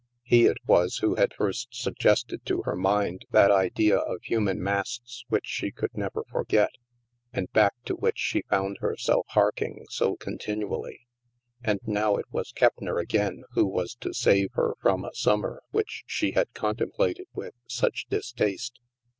He it was who had first suggested to her mind that idea of human masks which she could never forget, and back to which she found herself harking so continually. And now it was Keppner again who was to save her from a summer which she had con templated with such distaste.